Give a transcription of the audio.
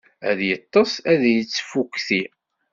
Ad yeṭṭes ad yettfukti.